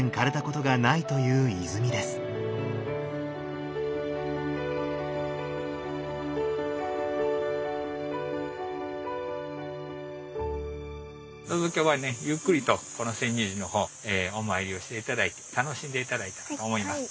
どうぞ今日はねゆっくりとこの泉涌寺の方お参りをして頂いて楽しんで頂いたらと思います。